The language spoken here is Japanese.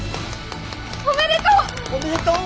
おめでとう！